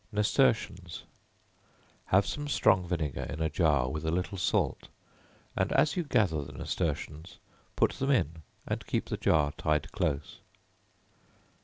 Nasturtions. Have some strong vinegar in a jar with a little salt, and as you gather the nasturtions, put them in, and keep the jar tied close.